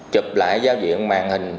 bốn chụp lại giao diện mạng hình